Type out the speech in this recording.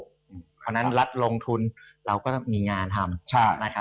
เพราะฉะนั้นรัฐลงทุนเราก็มีงานทำ